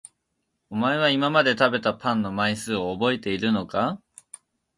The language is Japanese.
お前は今まで食べたパンの枚数を覚えているのか？